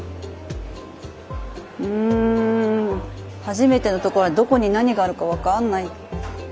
ん初めての所はどこに何があるか分かんない。